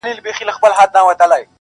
• لمر چي د ميني زوال ووهي ويده سمه زه.